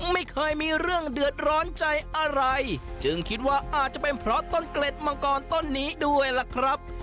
ไม่เคยมีเรื่องเดือดร้อนใจอะไรจึงคิดว่าอาจจะเป็นเพราะต้นเกล็ดมังกรต้นนี้ด้วยล่ะครับ